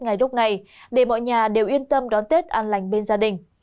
ngay lúc này để mọi nhà đều yên tâm đón tết an lành bên gia đình